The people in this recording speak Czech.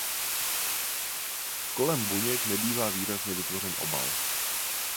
Kolem buněk nebývá výrazně vytvořen obal.